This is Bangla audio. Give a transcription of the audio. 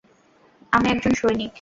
আমি একজন সৈনিক।